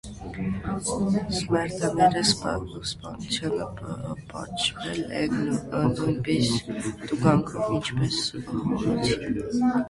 Սմերդների սպանությունը պատժվել է նույնպիսի տուգանքով, ինչպես խոլուցինը։